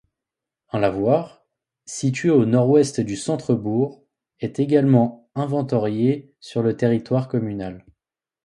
Un lavoir, situé au nord-ouest du centre-bourg, est également inventorié sur le territoire communal.